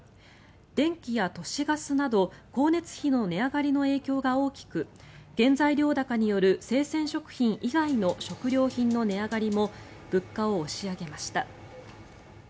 電気や都市ガスなど光熱費の値上がりの影響が大きく原材料高による生鮮食品以外の食料品の値上がりも物価を押し上げました。